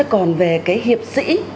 còn về hiệp sĩ